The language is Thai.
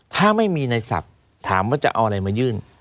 ถ้าไม่มีในศัพท์ถามว่าจะเอาอะไรมายื่น